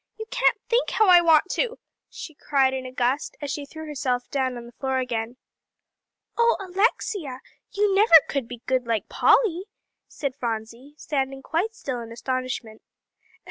You can't think how I want to," she cried in a gust, as she threw herself down on the floor again. "Oh Alexia, you never could be good like Polly," said Phronsie, standing quite still in astonishment.